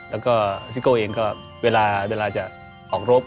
แล้วก็ซิโก้เองก็เวลาจะออกรบ